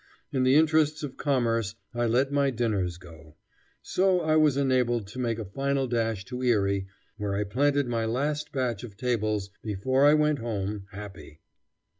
In the interests of commerce, I let my dinners go. So I was enabled to make a final dash to Erie, where I planted my last batch of tables before I went home, happy.